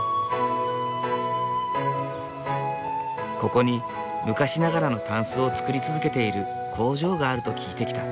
ここに昔ながらの箪笥を作り続けている工場があると聞いてきた。